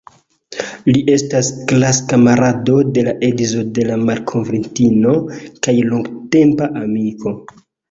Li estas klas-kamarado de la edzo de la malkovrintino kaj longtempa amiko.